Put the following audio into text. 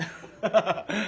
ハハハ。